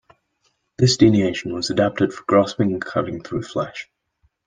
This dentition was adapted for grasping and cutting through flesh.